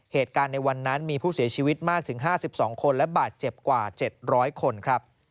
เหตุการณ์ในวันนั้นมีผู้เสียชีวิตมากถึง๕๒คนและบาดเจ็บกว่า๗๐๐คนครับ